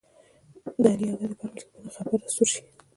د علي عادت دی په هر مجلس کې په نه خبره سور شي.